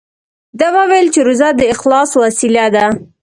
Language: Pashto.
ده وویل چې روژه د اخلاص وسیله ده.